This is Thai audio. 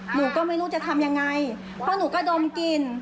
หนูก็ไม่รู้จะทำยังไงเพราะหนูก็ดมกลิ่น